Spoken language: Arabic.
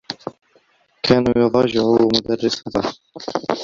كان يضاجع مدرّسته.